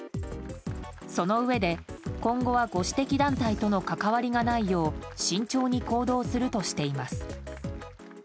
そのうえで今後はご指摘団体との関わりがないよう慎重に行動するとしています。